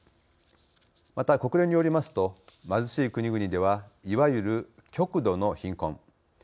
また、国連によりますと貧しい国々ではいわゆる極度の貧困。